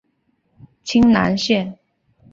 清南线